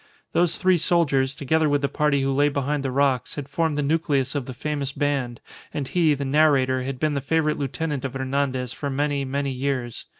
Those three soldiers, together with the party who lay behind the rocks, had formed the nucleus of the famous band, and he, the narrator, had been the favourite lieutenant of Hernandez for many, many years.